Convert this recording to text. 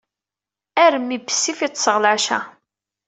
Armi bessif i ṭṭseɣ leɛca.